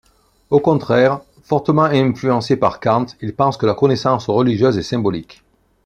Au contraire, fortement influencé par Kant, il pense que la connaissance religieuse est symbolique.